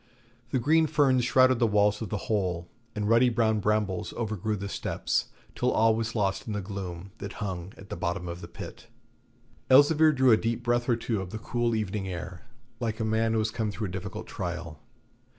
The green ferns shrouded the walls of the hole, and ruddy brown brambles overgrew the steps, till all was lost in the gloom that hung at the bottom of the pit. Elzevir drew a deep breath or two of the cool evening air, like a man who has come through a difficult trial.